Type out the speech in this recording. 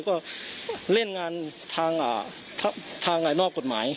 ก็เล่นงานทางนอกกฎหมาย